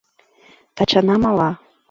Тачана мала.